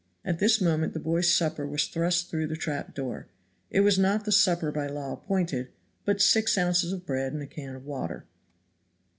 At this moment the boy's supper was thrust through the trap door; it was not the supper by law appointed, but six ounces of bread and a can of water.